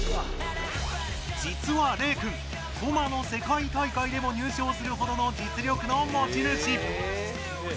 実は礼くんコマの世界大会でも入賞するほどの実力の持ち主。